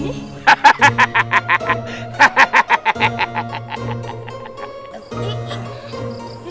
terima kasih juga